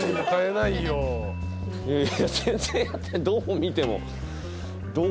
どこ見ても。